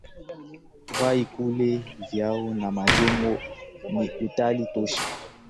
Vyakula vyao na majengo ni utalii tosha